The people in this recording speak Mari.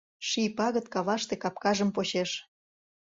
Ший пагыт Каваште капкажым почеш.